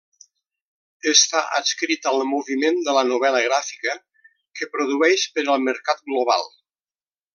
Està adscrit al moviment de la novel·la gràfica, que produeix per al mercat global.